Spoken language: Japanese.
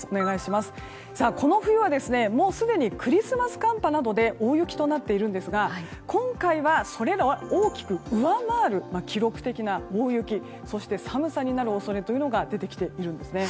この冬はすでにクリスマス寒波などで大雪となっているんですが今回は、それらを大きく上回る記録的な大雪そして寒さになる恐れというのが出てきているんですね。